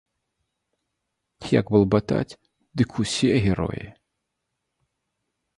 Як балбатаць, дык усе героі.